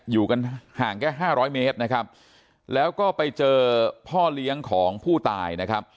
อยู่กันห่างแค่ห้าร้อยเมตรนะครับแล้วก็ไปเจอพ่อเลี้ยงของผู้ตายนะครับ